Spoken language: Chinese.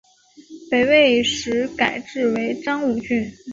北魏时改置为章武郡。